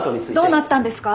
どうなったんですか？